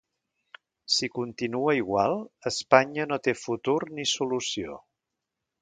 Si continua igual, Espanya no té futur ni solució.